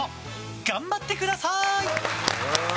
頑張ってください。